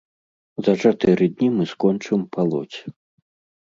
За чатыры дні мы скончым палоць.